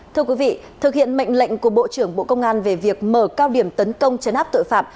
thưa quý vị thực hiện mệnh lệnh của bộ trưởng bộ công an về việc mở cao điểm tấn công chấn áp tội phạm